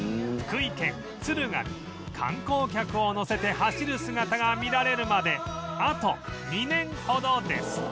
福井県敦賀で観光客を乗せて走る姿が見られるまであと２年ほどです